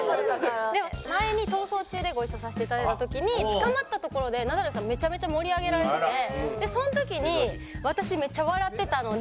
前に『逃走中』でご一緒させていただいた時に捕まったところでナダルさんめちゃめちゃ盛り上げられててその時に私めっちゃ笑ってたので。